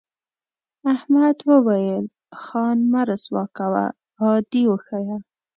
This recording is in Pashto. احمد وویل خان مه رسوا کوه عادي وښیه.